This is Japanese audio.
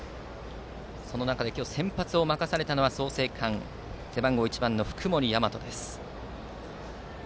その中で先発を任されたのは創成館背番号１番の福盛大和です。